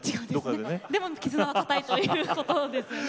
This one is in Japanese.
でも絆は固いということですよね。